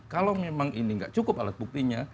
kalau memang ini nggak cukup alat buktinya